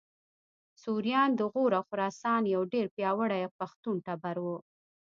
سوریان د غور او خراسان یو ډېر پیاوړی پښتون ټبر و